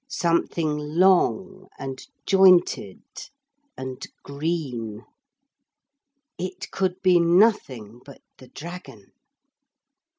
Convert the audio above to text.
Something long and jointed and green. It could be nothing but the dragon.